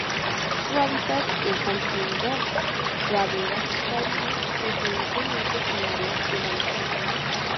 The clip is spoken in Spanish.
Su hábitat es el fynbos, praderas y jardines, preferentemente en áreas de montaña.